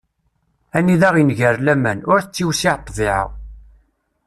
Anida inger laman, ur tettiwsiɛ ṭṭbiɛa.